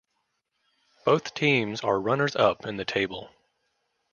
Both teams are runners-up in the table.